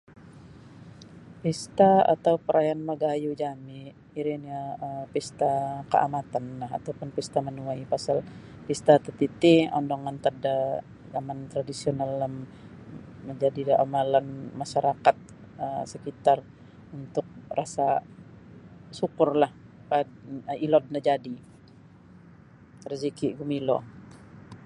Pesta atau perayaan magayu jami iro nio um pesta Kaamatan lah ataupun pesta Menuai pasal pesta tatiti andang antad da zaman tradisional lam majadi da amalan masyarakat um sekitar untuk rasa syukurlah um ilot najadi raziki mogilo.